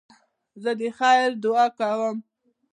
زه د خیر دؤعا کوم.